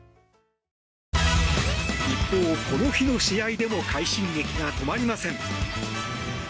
一方、この日の試合でも快進撃が止まりません。